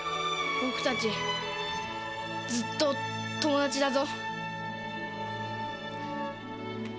僕たちずっと友達だぞ。